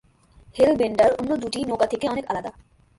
Hellbender, অন্য দুটি নৌকা থেকে অনেক আলাদা।